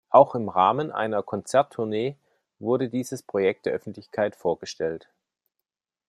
Auch im Rahmen einer Konzerttournee wurde dieses Projekt der Öffentlichkeit vorgestellt.